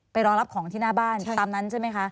รอรับของที่หน้าบ้านตามนั้นใช่ไหมคะ